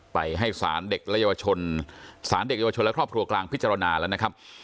ไปให้สารเด็กและเยาวชนสารเด็กเยาวชนและครอบครัวกลางพิจารณาแล้วนะครับ